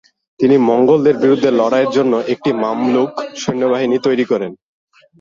তিনি মঙ্গোলদের বিরুদ্ধে লড়াইয়ের জন্য একটি মামলুক সৈন্যবাহিনী তৈরি করেন।